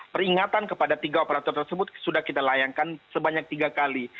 peringatan kepada tiga operator tersebut sudah kita layankan sebanyak tiga kali